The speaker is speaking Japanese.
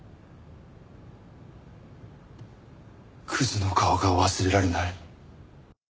クズの顔が忘れられない。